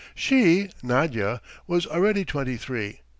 She, Nadya, was already twenty three.